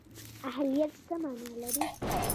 اهلیت څه مانا لري؟